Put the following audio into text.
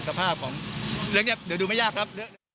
สภาพของเดี๋ยวดูไม่ยากครับ